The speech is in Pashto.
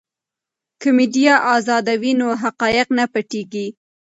که میډیا ازاده وي نو حقایق نه پټیږي.